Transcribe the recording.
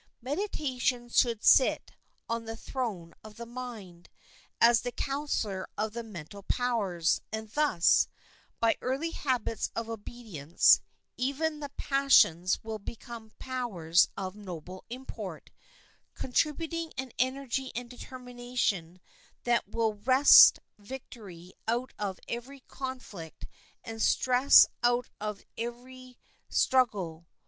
Meditation should sit on the throne of the mind as the counselor of the mental powers; and thus, by early habits of obedience, even the passions will become powers of noble import, contributing an energy and determination that will wrest victory out of every conflict and success out of every struggle.